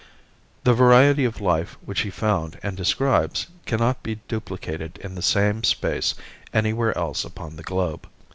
The variety of life which he found and describes cannot be duplicated in the same space anywhere else upon the globe.